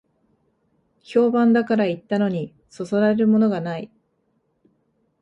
評判だから行ったのに、そそられるものがない